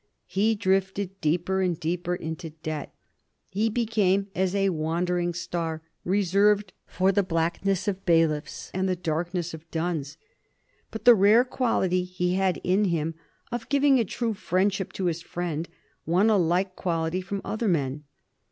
He drifted deeper and deeper into debt. He became as a wandering star, reserved for the blackness of bailiffs and the darkness of duns. But the rare quality he had in him of giving a true friendship to his friend won a like quality from other men.